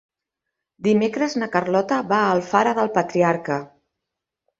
Dimecres na Carlota va a Alfara del Patriarca.